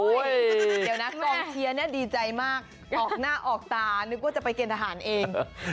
เดี๋ยวนะกองเชียร์เนี่ยดีใจมากออกหน้าออกตานึกว่าจะไปเกณฑหารเอง